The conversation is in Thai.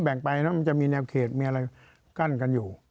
แบ่งไปแล้วมันจะมีแนวเขตมีอะไรกั้นกันอยู่